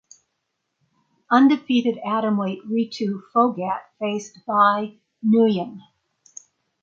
Undefeated atomweight Ritu Phogat faced Bi Nguyen.